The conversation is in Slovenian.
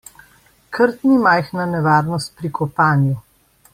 Krt ni majhna nevarnost pri kopanju.